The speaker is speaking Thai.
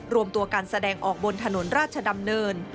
รวมตัวการแสดงออกบนถนนราชดำเนิน